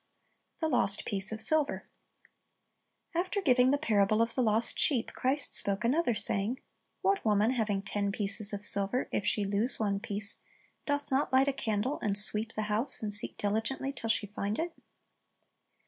THE LOST PIECE OF SILVER After giving the parable of the lost sheep, Christ spoke another, saying, "What woman having ten pieces of silver, if she lose one piece, doth not light a candle, and sweep the house, and seek diligently till she find it?"